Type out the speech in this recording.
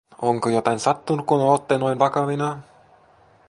“Onko jotain sattunu, kun ootte noin vakavina?”